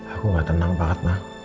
aku gak tenang banget